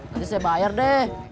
nanti saya bayar deh